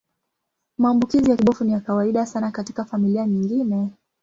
Maambukizi ya kibofu ni ya kawaida sana katika familia nyingine.